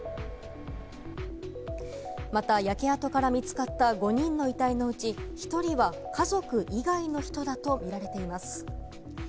また焼け跡から見つかった５人の遺体のうち１人は家族以外の人だとみられています。